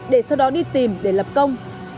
để sau đó đi tìm để lập công